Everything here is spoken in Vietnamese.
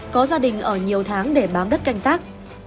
có gia đình ở nhiều tháng để bám đất canh tác